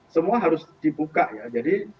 semua harus dibuka